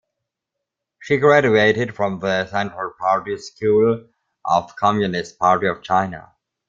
She graduated from the Central Party School of Communist Party of China.